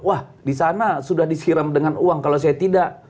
wah di sana sudah disiram dengan uang kalau saya tidak